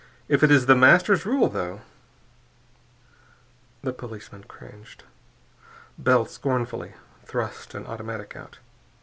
If it is The Master's rule, though...." The policeman cringed. Bell scornfully thrust an automatic out.